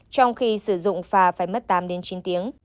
trong khi sử dụng phà phải mất tám đến chín tiếng